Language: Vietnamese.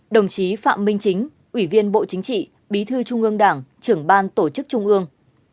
đồng chí phạm minh chính ủy viên bộ chính trị bí thư trung ương đảng trưởng ban tổ chức trung ương